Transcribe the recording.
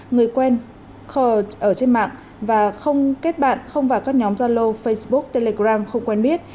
người quen kerre ở trên mạng và không kết bạn không vào các nhóm gia lô facebook telegram không quen biết